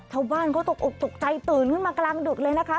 เท้าบ้านเขาอุ๊กใจตื่นมากำลังดุดเลยนะคะ